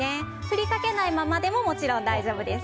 振りかけないままでももちろん大丈夫です。